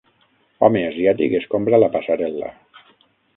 Home asiàtic escombra la passarel·la.